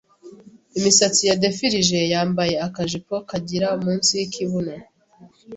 imisatsi yadefirije, yambaye akajipo kagira munsi y'ikibuno,